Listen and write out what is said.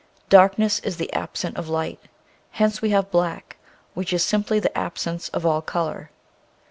Darkness is the absence of light, hence we have black, which is simply the absence of all color.